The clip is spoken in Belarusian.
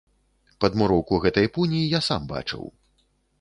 Падмуроўку гэтай пуні я сам бачыў.